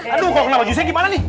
aduh kalau kenapa jusnya gimana nih